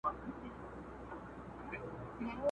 نه ښراوي سي تاوان ور رسولای٫